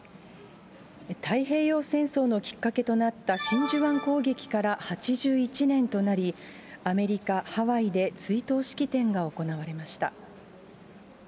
太平洋戦争のきっかけとなった真珠湾攻撃から８１年となり、アメリカ・ハワイで追悼式典が行われました。